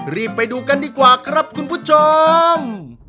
รีบไปดูกันดีกว่าครับคุณผู้ชม